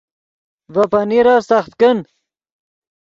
ڤے پنیرف سخت کن